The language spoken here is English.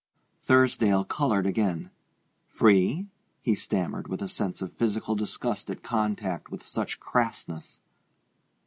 Thursdale colored again. "Free?" he stammered, with a sense of physical disgust at contact with such crassness.